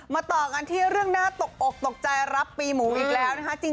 ต่อกันที่เรื่องน่าตกอกตกใจรับปีหมูอีกแล้วนะคะ